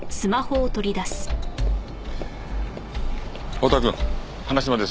太田くん花島です。